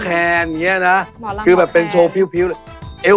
อันนนี้กลับสร้างสไตล์